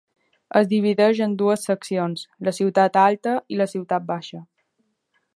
Es divideix en dues seccions, la ciutat alta i la ciutat baixa.